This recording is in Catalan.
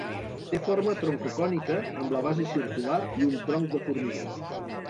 Té forma troncocònica amb base circular i un tronc de formigó.